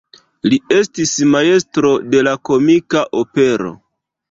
Li estis majstro de la komika opero.